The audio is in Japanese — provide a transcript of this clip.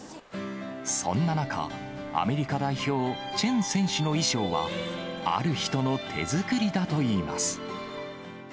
そんな中、アメリカ代表、チェン選手の衣装は、ある人の手作りだといいます。